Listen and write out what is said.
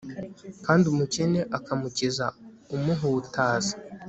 kandi umukene akamukiza umuhutaza